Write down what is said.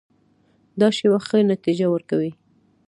دا شیوه ښه نتیجه ورکوي.